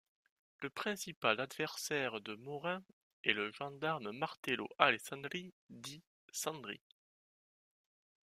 Le principal adversaire de Maurin est le gendarme Martello Alessandri, dit Sandri.